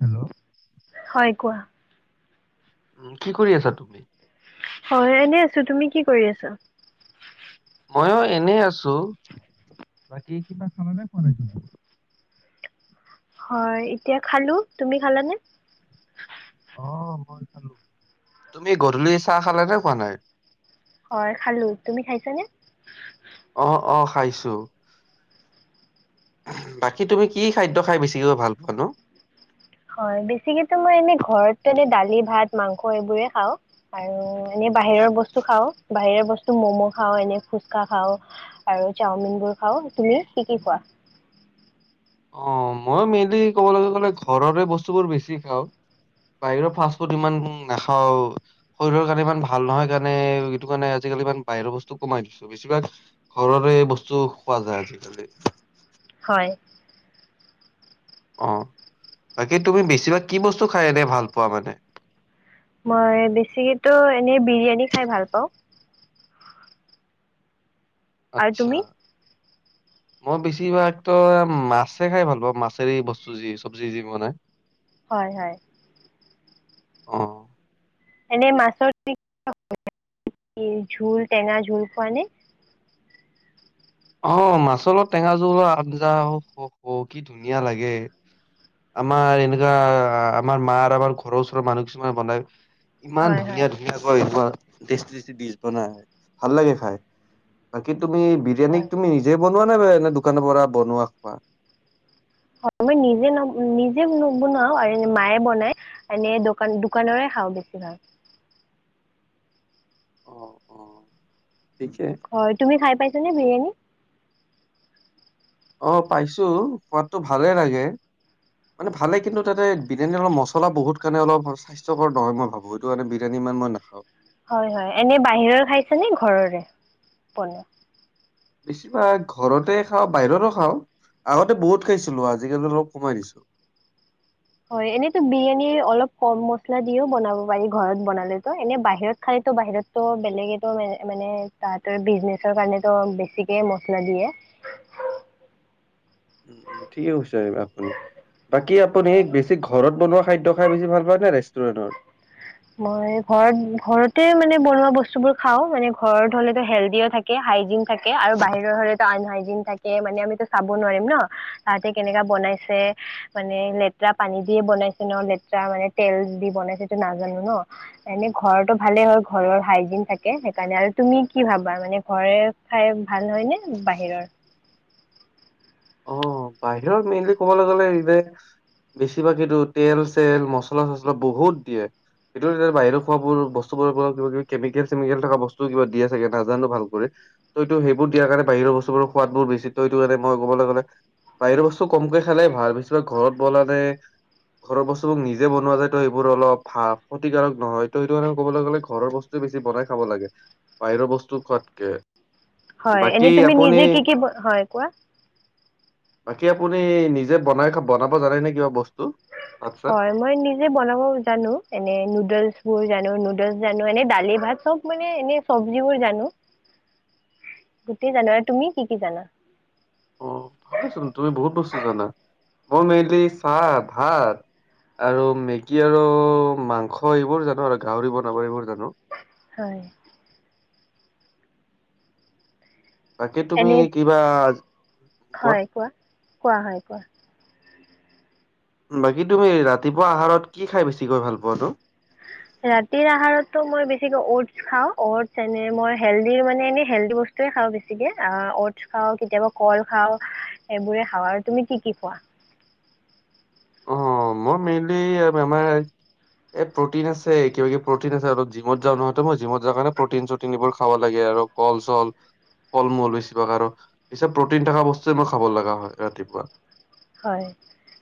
Hello. হয়, কোৱা। উম, কি কৰি আছা তুমি? হয়, এনেই আছো, তুমি কি কৰি আছা? ময়ো এনে আছো, বাকী কিবা খালানে খোৱা নাই? হয়, এতিয়া খালো, তুমি খালানে? অ', মই খালো, তুমি গধূলি চাহ খালা নে খোৱা নাই? হয়, খালো তুমি খাইছানে? অ', অ', খাইছো। বাকী তুমি কি খাদ্য খাই বেছিকৈ ভাল পোৱানো? হয়, বেছিকো মই এনে ঘৰত এনে দালি ভাত মাংস এইবোৰে খাওঁ। আৰু এনেই বাহিৰৰ বস্তু খাওঁ বাহিৰৰ বস্তু মম' খাওঁ এনে ফুচকা খাওঁ। আৰু চাওমিনবোৰ খাওঁ, তুমি কি কি খোৱা? অ', মই মেইনলি ক'বলৈ গ'লে ঘৰৰে বস্তুবোৰ বেছি খাওঁ। বাহিৰৰ ফাষ্টফুড ইমান নাখাওঁ। শৰীৰৰ কাৰণে ইমান ভাল নহয় কাৰণে এইটো কাৰণে আজিকালি ইমান বাহিৰৰ বস্তু কমাই দিছো। বেছিভাগ ঘৰৰে বস্তু খোৱা যায় আজিকালি। হয়। অ', বাকী তুমি বেছিভাগ কি বস্তু খাই এনেই ভাল পোৱা মানে? মই বেছিকেতো এনেই বিৰিয়ানী খাই ভাল পাওঁ। আৰু আচ্ছা। তুমি? মই বেছিভাগতো মাছে খাই ভাল পাওঁ, মাছেৰে বস্তু যি চব্জি যি বনাই। হয়, হয়। অ'। এনে মাছৰ [unintelligible] জোল টেঙা জোল খোৱানে? অ', মাছৰ লগত টেঙা জোলৰ আঞ্জা অস অস অ' কি ধুনীয়া লাগে। আমাৰ এনেকুৱা আমাৰ মাৰ আমাৰ ঘৰৰ ওচৰৰ মানুহ কিছুমানে বনাই ইমান হয় হয় ধুনীয়া ধু ই আকৌ বৰ টেষ্টি টেষ্টি ডিচ বনাই ভাল লাগে খাই। বাকী তুমি বি হয় বিৰিয়ানীক তুমি নিজে বনোৱা নে নে দোকানৰ পৰা বনোৱা খোৱা? অ', মই নিজে ন নিজে নবনাও আৰু মায়ে বনাই। এনেই দোকান দোকানৰে খাওঁ বেছি ভাগ। অ', অ', ঠিকেই। হয়, তুমি খাই পাইছা নে বিৰিয়ানী? অ', পাইছো সোৱাদটো ভালে লাগে। মানে ভালে কিন্তু তাতে বিৰিয়ানী অলপ মছলা বহুত কাৰণে অলপ স্বাস্থ্যকৰ নহয় মই ভাবো সিটো কাৰণে বিৰিয়ানী ইমান মই নাখাওঁ। হয়, হয়, এনে বাহিৰৰ খাইছে নে ঘৰৰে বনোৱা। বেছিভাগ ঘৰতে খাওঁ বাহিৰৰো খাওঁ আগতে বহুত খাইছিলো আজিকালি অলপ কমাই দিছো। হয় এনেইতো বিৰিয়ানীৰ অলপ কম মছলা দিও বনাব পাৰি ঘৰত বনালেতো। এনে বাহিৰত খালেতো বাহিৰত ত' বেলেগেটো মান মানে তাতে বিজনেচৰ কাৰণেটো বেছিকে মচলা দিয়ে। উম উম ঠিকেই কৈছে আহ আপুনি। বাকী আপুনি বেছি ঘৰত বনোৱা খাদ্য খাই বেছি ভাল পায় নে ৰেষ্টুৰেণৰ? মই ঘৰত, ঘৰতে মানে বনোৱা বস্তুবোৰ খাও মানে ঘৰত হলেটো হেল্ডিও থা কে, হাইজিন থাকে আৰু বাহিৰৰ হলেতো আনহাইজিন থাকে, মানে আমিতো চাব নোৱাৰিম ন। তাহাতে কেনেকা বনাইছে মানে লেত্ৰা পানী দিয়ে বনাইছে ন, লেত্ৰা মানে তেল দি বনাইছে ত' নাজানো ন। এনে ঘৰৰটো ভালে হয়, ঘৰৰ হাইজিন থাকে সেইকাৰণে আৰু তুমি কি ভাবা মানে ঘৰে খাই ভাল হয় নে বাহিৰৰ? অ বাহিৰত মেইনলি ক'বালৈ গ'লে ইনেই বেছিভাগেইটো তেল-চেল, মচলা-চচলা বহুত দিয়ে। সেইটো এতিয়া বাহিৰৰ খোৱাবোৰ বস্তুবোৰৰ কিবা কিবি কেমিকেল-চেমিকেল থকা বস্তু কিবা দিয়ে চাগে নাজানো ভাল কৰি। ত' এইতো সেইবোৰ দিয়াৰ কাৰণে বাহিৰৰ বস্তুবোৰৰ সোৱাদবোৰ বেছি। ত' এইটো কাৰনে মই ক'বালৈ গ'লে বাহিৰৰ বস্তু কমকে খালেই ভাল, বেছিভাগ ঘৰত বনালে ঘৰৰ বস্তুবোৰ নিজে বনোৱা যায়তো সেইবোৰ অলপ ভাল, ক্ষতিকাৰক নহয়। ত' সেইটো কাৰণে ক'বলৈ গলে ঘৰৰ বস্ তো বেছি বনাই খাব লাগে, বাহিৰৰ বস্তু খোৱাতকে। হয়, বাকী এনেই তুমি আপুনি নিজে কি কি ব, হয় কোৱা। বাকী আপুনি নিজে বনাই খা, বনাব জানে নে কিবা বস্তু? ভাত চাত? হয়। মই নিজে বনাব জানো। এনে নুডল্ছ বোৰ জানো। নুডল্ছ জানো, এনে দালি ভাত চব মানে এনে চব্জিবোৰ জানো। [inaudible] গোটেই জানো আৰু তুমি কি কি জানা? অ ভালেচোন, তুমি বহুত বস্তু জানা। মই মেইনলি চাহ, ভাত আৰু মেগী আৰু মাংস এইবোৰ জানো আৰু গাহৰি বনাব এইবোৰ জানো। হয়। বাকী তুমি এনে কিবা হয় কোৱা, কোৱা হয় কোৱা। বাকী তুমি ৰাতিপুৱা আহাৰত কি খাই বেছিকৈ ভাল পোৱানো? ৰাতিৰ আহাৰতো মই বেছিকে অট্ছ খাও, অট্ছ এনে মই হেল্ডিৰ মানে এনে হেল্ডদি বস্ তোয়ে খাওঁ বেছিকে। অ' অট্ছ খাওঁ, কেতিয়াবা কল খাও এইবোৰে খাওঁ আৰু তুমি কি কি খোৱা? অ, মই মেইনলি অ আমাৰ এ প্ৰটিন আছে কিবা কিবি প্ৰটিন আছে আৰু জিমত যাওঁ নহয়! ত' মই জিমত যাওঁ কাৰণে প্ৰটিন-চটিন এইবোৰ খাব লাগে আৰু কল-চল ফল মূল বেছিভাগ আৰু পিছে প্ৰটিন থকা বস্তুয়ে মই খাব লগা হয় ৰাতিপুৱা। হয়।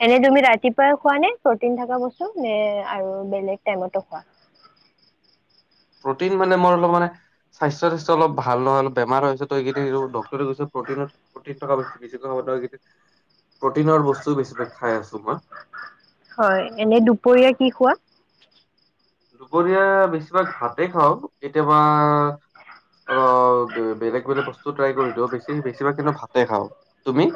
এনে তুমি ৰাতিপুৱাই খুৱা নে প্ৰটিন থকা বস্তু নে আৰু বেলেগ টাইম তো খোৱা? প্ৰটিন মানে মোৰ অলপ মানে স্বাস্থ্য- তাস্থ্য অলপ ভাল নহয় অলপ বেমাৰ হয় আছে। ত' এইকেইদিন ডক্টৰে কইছে প্ৰটিনৰ প্ৰটিন থকা [unintelligible] বেছিকৈ [unintelligible] প্ৰটিনৰ বস্তু বেছি ভাগ খাই আছো মই। হয়, এনে দুপৰীয়া কি খোৱা? দুপৰীয়া বেছিভাগ ভাতে খাওঁ কেতিয়াবা অ' বেলেগ বেলেগ বস্তু ট্ৰাই কৰি দিওঁ। বেছি বেছিভাগ কিন্তু ভাতে খাওঁ। তুমি?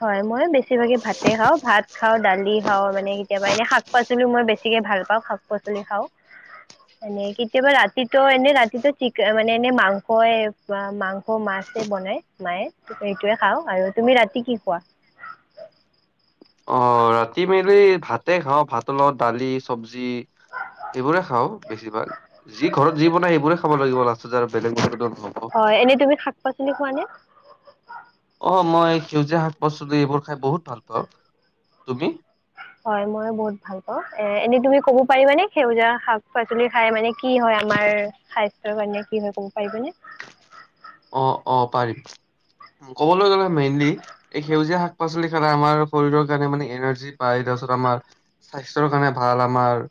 হয় মই বেছিভাগে ভাতে খাওঁ? ভাত খাওঁ দালি খাওঁ মানে কেতিয়াবা এনে শাক পাচ পালিও মই বেছিকে ভাল পাওঁ শাক পাচলি খাওঁ। [inaudible] এনেই কেতিয়াবা ৰাতিটো এনে ৰাতিটো চিকে মানে এনেই মাংস মাংস মাছেই বনে। মায়ে সেইটোয়ে খাও আৰু তুমি ৰাতি কি খোৱা? অ' ৰাতি মেইনলি ভাতে খাওঁ? ভাতৰ লগত দালি চবজি সেইবোৰে খাওঁ বেছিভাগ, যি ঘৰত যি বনাই সেইবোৰে খাব লাগিব লাষ্টত যায় আৰু বেলেগ মতে টোতো হয়, এনেই তুমি শাক পাচলি খোৱা নে? অ' মই সেউজীয়া শাক পাচলি এইবোৰ খাই বহুত ভাল পাওঁ, তুমি? হয়, মই বহুত ভাল পাওঁ এ এনেই তুমি ক'ব পাৰিবানে সেউজীয়া শাক পাচলি খাই মানে কি হয় আমাৰ স্বাস্থ্যৰ কাৰণে কি হয় ক'ব পাৰিবনে? অ', অ 'পাৰিম, ক'বলৈ গ'লে মেইনলি এই সেউজীয়া শাক পাচলি খালে আমাৰ শৰীৰৰ কাৰণে মানে এনাৰ্জি পায় তাৰপিছত আমাৰ স্বাস্থ্যৰ কাৰণে ভাল আমাৰ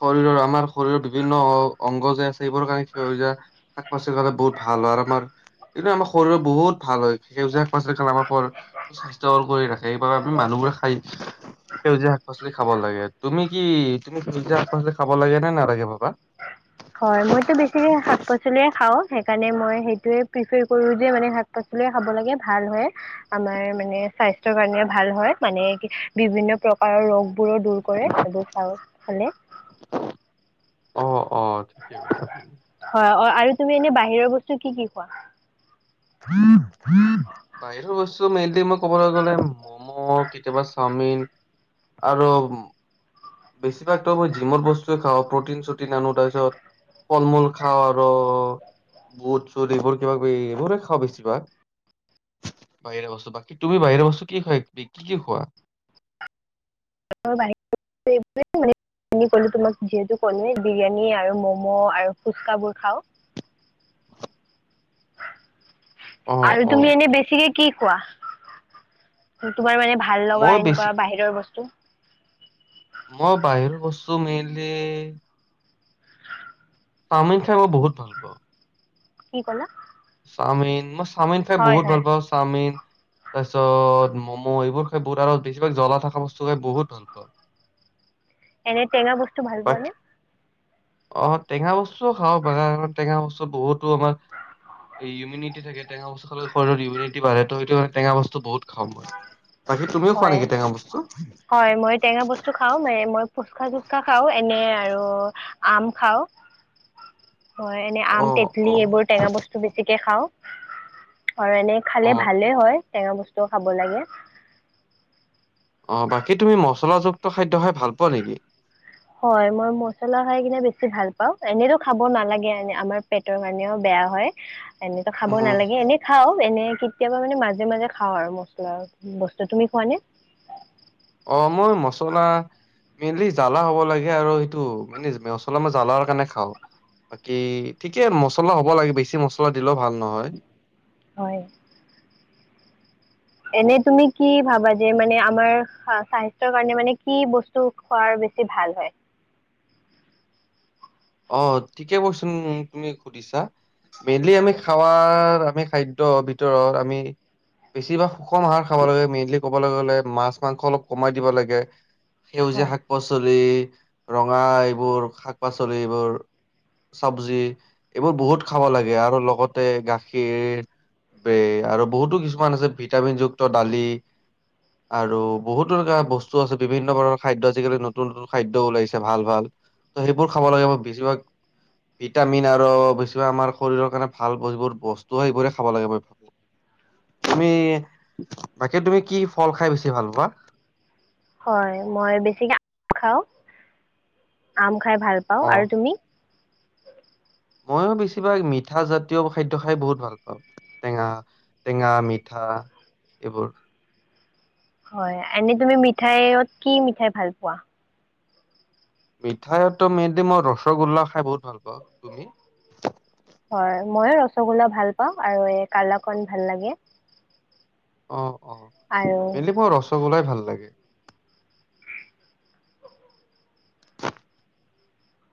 শৰীৰৰ আমাৰ শৰীৰৰ বিভিন্ন অ' অংগ যে আছে সেইবোৰ কাৰণে সেউজীয়া শাক পাচলি কাৰণে বহুত ভাল হয় আৰু আমাৰ কিন্তু, আমাৰ শৰীৰৰ বহুত ভাল হয় সেউজীয়া শাক-পাচলি আমাৰ শৰ স্বাস্থ্য ভাল কৰি ৰাখে, সেইবাবে আমি মানুহবোৰে খাই সেউজীয়া শাক পাচলি খাব লাগে তুমি কি তুমি সেউজীয়া শাক পাচলি খাব লাগে নে নালাগে ভাবা! হয়, মইতো বেছিকে শাক পাচলিয়ে খাওঁ সেইকাৰণে মই সেইটোয়ে প্ৰিফাৰ কৰো যে মানে শাক পাচলিয়ে খাব লাগে ভাল হয়। আমাৰ মানে স্বাস্থ্যৰ কাৰণে ভাল হয় মানে, কি বিভিন্ন প্ৰকাৰৰ ৰোগ বোৰো দূৰ কৰে এই বোৰ খালে অ'অ' ঠিকেই কৈছে তুমি। হয় অ' আৰু তুমি এনেই বাহিৰৰ বস্তু কি কি খোৱা? [unintelligible] বাহিৰৰ বস্তু মেইনলি মই ক'বলৈ গ'লে ম'ম' কেতিয়াবা চাওমিন আৰু বেছিভাগ ত' জিমৰ বস্তুয়ে খাও প্ৰটিন চটিন আনো তাৰপিছত ফল মূল খাওঁ আৰু বুট চুট এইবোৰ কিবা কিবি এইবোৰে খাওঁ বেছিভাগ বাহিৰা বস্তু বাকী তুমি বাহিৰা বস্তু কি খুৱাই কি কি খোৱা? [unintelligible] তুমি ক'লো তোমাক যিহেতু ক'লোৱে বিৰিয়ানী আৰু ম'ম' আৰু ফুচকা বোৰ খাওঁ। অ আৰু অ তুমি এনে বেছিকে কি খোৱা? তোমাৰ মানে ভা ভাল লগা মই বেছি এনেকুৱা বাহিৰৰ বস্তু? মই বাহিৰা বস্তু মেইনলি চাওমিন খাই মই বহুত ভাল পাওঁ কি ক'লা চাওমিন মই চাওমিন খাই হয় বহুত ভাল হয় পাওঁ চাওমিন তাৰ পিছত ম'ম এইবোৰ খাই বহুত আৰু বেছিভাগ জ্বলা থকা বস্তু খাই বহুত ভাল পাওঁ এনে টেঙা বস্তু ভাল পোৱা নে? বাকী অ টেঙা বস্তুও খাওঁ বাগানত টেঙা বস্তু বহুতো আমাৰ ইউমিনিতী থাকে টেঙা বস্তু খালে শৰীৰ ইউমিনিটি বাঢ়ে টো সেইটো কাৰণে টেঙা বস্তু বহুত খাওঁ মই বাকী তুমিও খোৱা হয় নেকি টেঙা বস্তু হয় মই টেঙা বস্তু খাওঁ মানে মই ফুচখা চুচকা খাওঁ এনে আৰু আম খাওঁ হয় এনে আম অ', তেতলি অ', এইবোৰ টেঙা বস্তু বেছিকে খাওঁ আৰু এনে খালে অ', ভালে হয় টেঙা বস্তুও খাব লাগে। অ' বাকী তুমি মচলাযুক্ত খাদ্য খাই ভাল পোৱা নেকি? হয় মই মছলা খাই কিনে বেছি ভাল পাওঁ এনেতো খাব নালাগে এনে আমাৰ পেটৰ কাৰণেও বেয়া হয়। এনেতো খাব উম, নালাগে এনে খাও এনে কেতিয়াবা মানে মাজে মাজে খাওঁ আৰু মছলা বস্তু তুমি খোৱা নে? অ' মই মচলা মেইনলি জালা হ'ব লাগে আৰু সেইটো মানে মছলা মই জালাৰ কাৰণে খাওঁ। বাকী ঠিকে মছলা হ'ব লাগে, বেছি মছলা দিলেও ভাল নহয়। হয়। এনে তুমি কি ভাবা যে মানে আমাৰ স্বাস্থ্যৰ কাৰণে মানে কি বস্তু টো খোৱাৰ বেছি ভাল হয়। অ' ঠিকে কোৱেচন তুমি সুধিছা মেইনলি আমি খাৱাৰ আমি খাদ্য ভিতৰত আমি বেছিভাগ সুষম আহাৰ খাব লাগে মেইনলি কবলৈ গ'লে মাছ মাংস অলপ কমাই দিব লাগে। সেউজীয়া হয় শাক পাচলি ৰঙা এইবোৰ, শাক পাচলি এইবোৰ চবজি এইবোৰ বহুত খাব লাগে আৰু লগতে গাখীৰ বে আৰু বহুতো কিছুমান আছে ভিটামিন যুক্ত দালি। আৰু বহুতো এনেকুৱা বস্তু আছে বিভিন্ন বৰণৰ খাদ্য আজিকালি নতুন নতুন খাদ্য ওলাইছে ভাল ভাল। বোৰ খাব লাগে মই বেছিভাগ ভিটামিন আৰু বেছিভাগ আমাৰ শৰীৰৰ কাৰণে ভাল যিবোৰ বস্তু হয় সেইবোৰে খাব লাগে তুমি, বাকী তুমি কি ফল খাই বেছি ভাল পোৱা? হয় মই বেছিকে [inaudible] খাওঁ আম খাই ভাল পাওঁ আৰু অ', তুমি? ময়ো বেছিভাগ মিঠা জাতীয় খাদ্য খাই বহুত ভাল পাওঁ। টেঙা, টেঙা মিঠা এইবোৰ। হয় এনে তুমি মিঠাইত কি মিঠাই ভাল পোৱা? মিঠাইতো মেইনলি মই ৰসগোল্লা খাই বহুত ভাল পাওঁ তুমি? হয় ময়ো ৰসগোল্লা ভাল পাওঁ আৰু এই কালাকন ভাল লাগে। অ', অ' আৰু মেইনলী মোৰ ৰসগোল্লাই ভাল লাগে।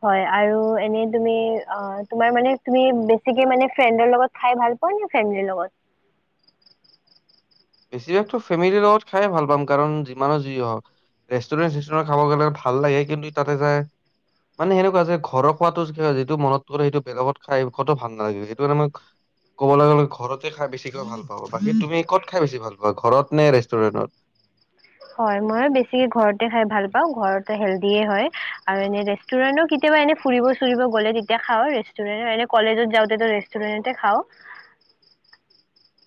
হয় আৰু এনে তুমি অ' তোমাৰ মানে তুমি বেছিকে মানে ফ্ৰেণ্ডৰ লগত খাই ভাল পোৱা নে ফেমলিৰ লগত? বেছিভাগটো ফেমিলিৰ লগত খাইয়ে ভাল পাম কাৰণ যিমানো যি হওক ৰেষ্টুৰেণ্ট চেষ্টুৰেণ্ট খাব গ'লে ভাল লাগে কিন্তু তাতে যায় মানে সেনেকুৱা যে ঘৰৰ খোৱাটো যিটো মনত কৰে সেইটো বেলেগত খাই খোৱাটো ভাল নালাগে সেইটো কাৰণে মই ক'বলৈ গ'লে ঘৰতে খাই বেছিকৈ ভাল পাওঁ বাকী তুমি ক'ত খাই বেছি ভাল পোৱা ঘৰত নে ৰেষ্টুৰেণ্টত? হয় মইও বেছি ঘৰতে খাই ভাল পাওঁ ঘৰতে হেল্ডিয়ে হয় আৰু এনে ৰেষ্ট ৰেষ্টুৰেণ্টৰ কেতিয়াবা এনে ফুৰিব চুৰিব গ'লে তেতিয়া খাওঁ ৰেষ্টুৰেণ্টৰ এনে কলেজত যাওঁতেটো ৰেষ্টুৰেণ্টতে খাওঁ। [inaudible]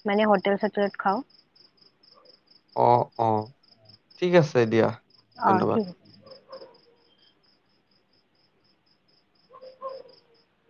মানে হোটেল চোটেলত খাওঁ। অ', অ'। ঠিক আছে দিয়া। অ' ধন্যবাদ ঠিক আছে। [inaudible]